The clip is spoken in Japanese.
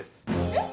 えっ？